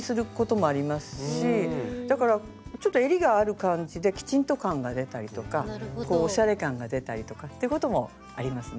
だからちょっとえりがある感じできちんと感が出たりとかおしゃれ感が出たりとかっていうこともありますね。